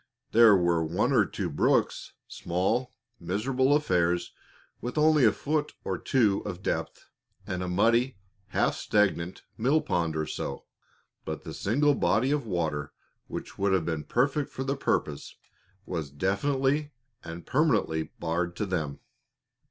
There were one or two brooks small, miserable affairs with only a foot or two of depth, and a muddy, half stagnant mill pond or so; but the single body of water which would have been perfect for the purpose was definitely and permanently barred to them.